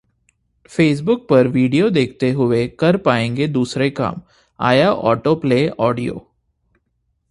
Facebook पर video देखते हुए कर पाएंगे दूसरे काम, आया ऑटो प्ले ऑडियो